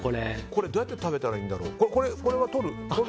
どうやって食べたらいいんだろう？